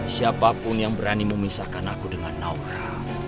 siapapun yang berani memisahkan aku dengan naura